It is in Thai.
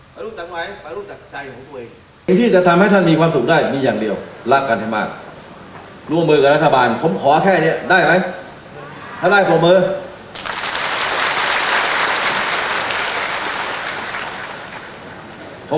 ปฏิรูปจากไหนต้องแต่ลูกจากใจของผมเอง